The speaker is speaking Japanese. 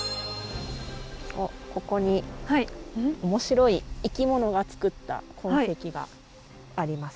ここに面白い生き物が作った痕跡がありますね。